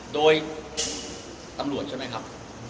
โดยตำรวจใช่ไหมครับ